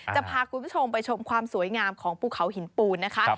จะพาคุณผู้ชมไปชมความสวยงามของภูเขาหินปูนนะคะ